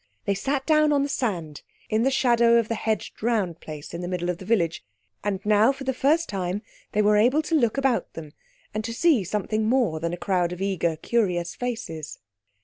They sat down on the sand in the shadow of the hedged round place in the middle of the village, and now for the first time they were able to look about them and to see something more than a crowd of eager, curious faces.